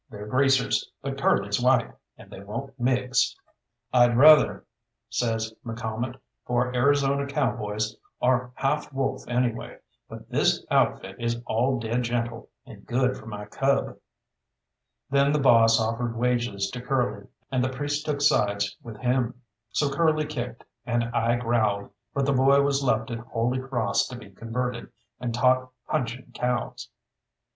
They're greasers, but Curly's white, and they won't mix." "I'd rather," says McCalmont, "for Arizona cowboys are half wolf anyways, but this outfit is all dead gentle, and good for my cub." Then the boss offered wages to Curly, and the priest took sides with him. So Curly kicked, and I growled, but the boy was left at Holy Cross to be converted, and taught punching cows.